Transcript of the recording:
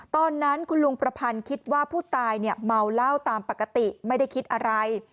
ตอนนั้นคุณลุงประพันธ์คิดว่าผู้ตายเนี่ยเมาเหล้าตามปกติไม่ได้คิดอะไร